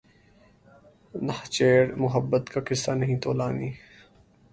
نخچیر محبت کا قصہ نہیں طولانی